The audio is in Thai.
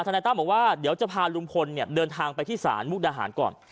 นายตั้มบอกว่าเดี๋ยวจะพาลุงพลเนี่ยเดินทางไปที่ศาลมุกดาหารก่อน